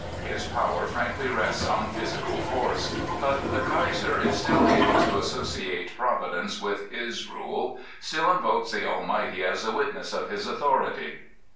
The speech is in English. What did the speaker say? His power frankly rests on physical force. But the ? Kaiser is still able to associate Providence with his rule, still invokes the Almighty as the witness of his authority.